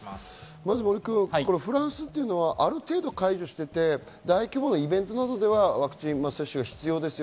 まずフランスはある程度、解除していて、大規模なイベントなどではワクチン接種が必要ですよ。